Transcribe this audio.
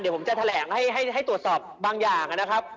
เดี๋ยวผมจะแถลงให้ตรวจสอบบางอย่างนะครับ